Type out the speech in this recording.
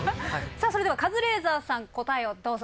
さあそれではカズレーザーさん答えをどうぞ。